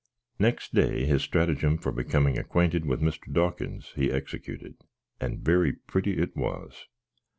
Next day, his strattygam for becoming acquainted with Mr. Dawkins he exicuted, and very pritty it was.